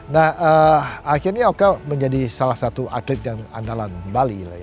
nah akhirnya oke menjadi salah satu atlet yang andalan bali lah ya